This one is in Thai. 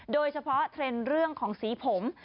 โดยเฉพาะเทรนด์เรื่องของสีผม